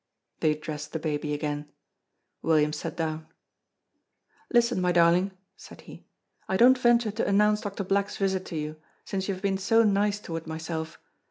They dressed the baby again. William sat down. "Listen, my darling," said he; "I don't venture to announce Doctor Black's visit to you, since you have been so nice toward myself.